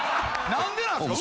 何でなんですか！